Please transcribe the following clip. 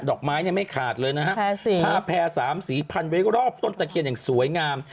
อกไม้เนี่ยไม่ขาดเลยนะฮะทาแพร่๓สีพันไว้รอบต้นตะเคียนอย่างสวยงาม